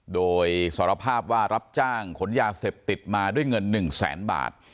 โดยสารภาพว่ารับจ้างขนยาเสพติดมาด้วยเงิน๑แสนบาท